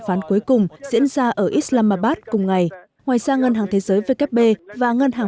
phán cuối cùng diễn ra ở islamabad cùng ngày ngoài ra ngân hàng thế giới vkp và ngân hàng